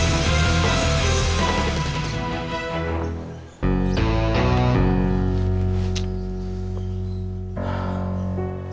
sampai jumpa lagi